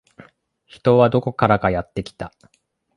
人はどこからかやってきた